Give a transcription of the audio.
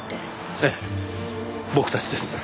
ええ僕たちです。